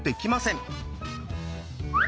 ん？